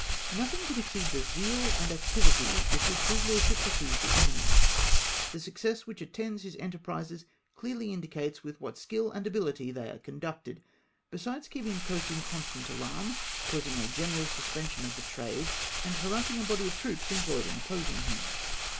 Nothing can exceed the zeal and ac tivity with which his lordship pursues the enemy. The suc cess which attends his enterprises clearly indicates with what skill and ability they are conducted, besides keeping the coast in constant alarm — causing a general suspension of the trade, and harassing a body of troops emj)loyed in op posing him.